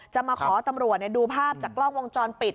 จะมาขอตำรวจดูภาพจากกล้องวงจรปิด